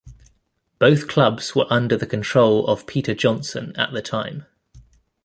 Both clubs were under the control of Peter Johnson at the time.